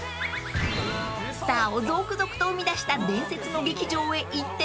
［スターを続々と生み出した伝説の劇場へ行ってみると］